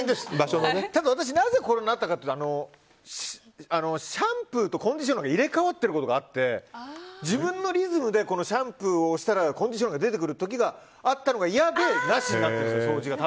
ただ、私なぜこうなったかというとシャンプーとコンディショナーが入れ替わってることがあって自分のリズムでシャンプーを押したらコンディショナーが出てくるということがあったのが嫌でなしになったんです、掃除が。